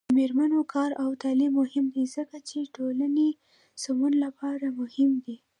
د میرمنو کار او تعلیم مهم دی ځکه چې ټولنې سمون لپاره مهم دی.